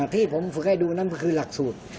ที่ผมฝึกให้ดูนั้นก็คือหลักสูตร